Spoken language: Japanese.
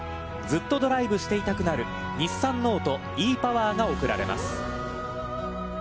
ずっとドライブしていたくなる日産ノートｅ−ＰＯＷＥＲが贈られます。